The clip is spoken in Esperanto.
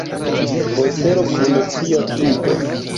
Botelo kun tia tubo.